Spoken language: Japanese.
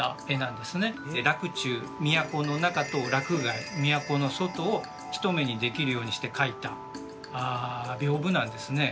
洛中都の中と洛外都の外を一目にできるようにして描いた屏風なんですね。